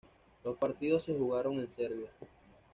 Los partidos se jugaron en Serbia.